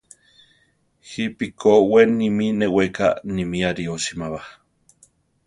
Jipe ko we nimí neweká nimí ariósima ba.